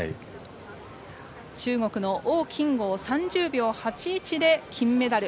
中国の王金剛、３０秒８１で金メダル。